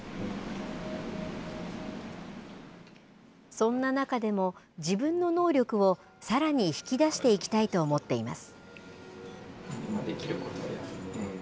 そんな中でも、自分の能力をさらに引き出していきたいと思っています。